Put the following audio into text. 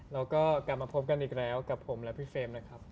แล้วก็กลับมาพบกันอีกแล้วกับผมและพี่เฟรมนะครับ